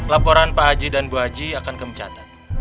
laporan pak haji dan bu haji akan kemencatat